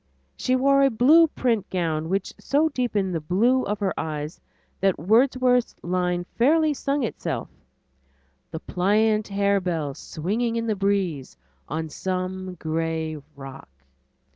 She wore a blue print gown which so deepened the blue of her eyes that Wordsworth's line fairly sung itself: The pliant harebell swinging in the breeze On some gray rock.